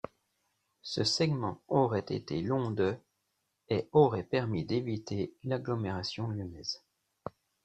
Ce segment aurait été long de et aurait permis d'éviter l'agglomération lyonnaise.